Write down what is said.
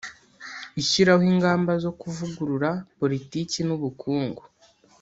ishyiraho ingamba zo kuvugurura politiki n'ubukungu.